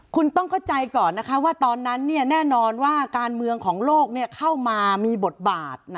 คุณต้องเข้าใจก่อนนะคะว่าตอนนั้นแน่นอนว่าการเมืองของโลกเข้ามามีบทบาท